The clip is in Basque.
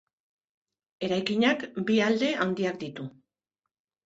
Eraikinak bi alde handiak ditu.